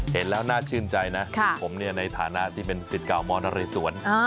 เห็นแล้วน่าชื่นใจนะผมนี่ในฐานะที่เป็น๑๙มนสวน